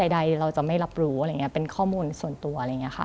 ใดเราจะไม่รับรู้อะไรอย่างนี้เป็นข้อมูลส่วนตัวอะไรอย่างนี้ค่ะ